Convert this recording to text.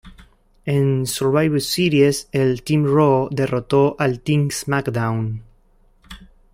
En Survivor Series, el Team Raw derrotó al Team SmackDown.